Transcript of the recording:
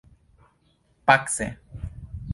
pace